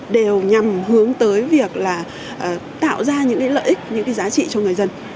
đều nhằm hướng tới việc tạo ra những lợi ích những giá trị cho người dân